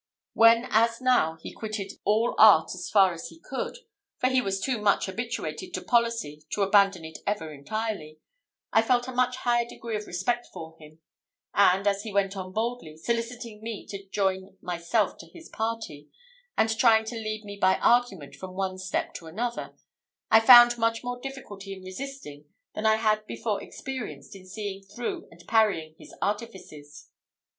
When as now he quitted all art as far as he could, for he was too much habituated to policy to abandon it ever entirely, I felt a much higher degree of respect for him; and, as he went on boldly, soliciting me to join myself to his party, and trying to lead me by argument from one step to another, I found much more difficulty in resisting than I had before experienced in seeing through and parrying his artifices.